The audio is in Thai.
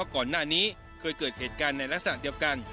ก่อนหน้านี้เคยเกิดเหตุการณ์ในลักษณะเดียวกัน